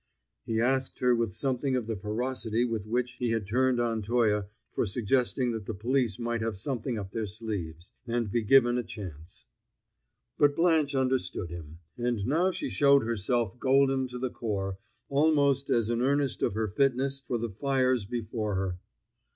He asked her with something of the ferocity with which he had turned on Toye for suggesting that the police might have something up their sleeves, and be given a chance. But Blanche understood him. And now she showed herself golden to the core, almost as an earnest of her fitness for the fires before her.